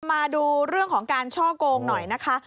มาดูเรื่องของการช่อกงหน่อยนะคะ